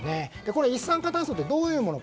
一酸化炭素ってどういうものか。